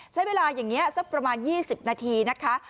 ใช้เวลาอย่างนี้สักประมาณ๒๐นาทีนะคะ